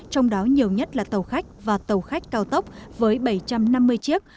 trong đó nhiều nhất là tàu khách và tàu khách cao tốc với bảy trăm năm mươi chiếc